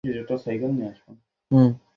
সেই ব্যক্তিটি আমাকেই নির্বাচিত করুন।